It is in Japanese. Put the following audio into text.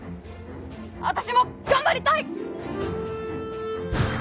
私も頑張りたい！